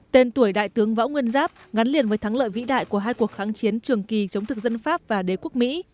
tên tuổi đại tướng võ nguyên giáp gắn liền với thắng lợi vĩ đại của hai cuộc kháng chiến trường kỳ chống thực dân pháp và đế quốc mỹ